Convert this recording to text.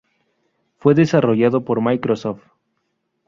Fue desarrollado por Microsoft.